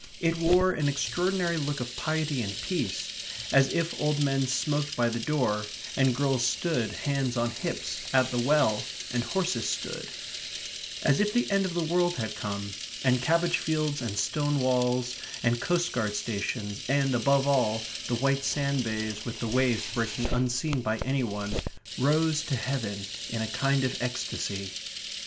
It wore an extraordinary look of piety and peace, as if old men smoked by the door, and girls stood, hands on hips, at the well, and horses stood; as if the end of the world had come, and cabbage fields and stone walls, and coast guard stations, and, above all, the white sand bays with the waves breaking unseen by any one, rose to heaven in a kind of ecstasy.